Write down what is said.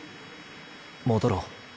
戻ろう。